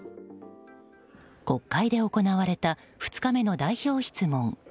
国会で行われた２日目の代表質問。